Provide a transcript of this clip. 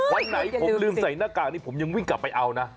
วันไหนผมลืมใส่หน้ากากนี่ผมยังวิ่งกลับไปเอานะ